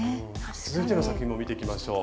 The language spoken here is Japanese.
続いての作品も見ていきましょう。